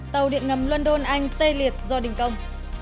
tàu điện ngầm london anh tê liệt do đình công